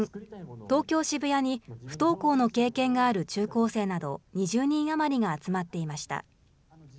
東京・渋谷に不登校の経験がある中高生など２０人余りが集まっていました。